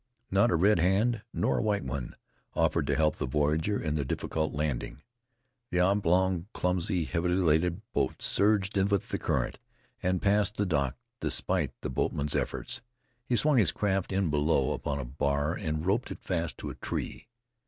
Not a red hand, nor a white one, offered to help the voyager in the difficult landing. The oblong, clumsy, heavily laden boat surged with the current and passed the dock despite the boatman's efforts. He swung his craft in below upon a bar and roped it fast to a tree.